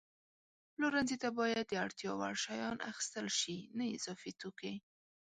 پلورنځي ته باید د اړتیا وړ شیان اخیستل شي، نه اضافي توکي.